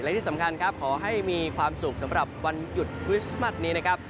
และที่สำคัญครับขอให้มีความสุขสำหรับวันหยุดคริสต์มัสนี้นะครับ